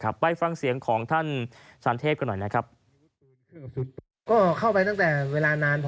ใบแบ่งเสียงของท่านฯชาลเทพ